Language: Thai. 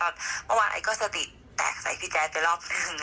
เมื่อวานไอ้ก็สติแตกใส่พี่แจ๊ดไปรอบหนึ่ง